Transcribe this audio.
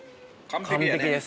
完璧です。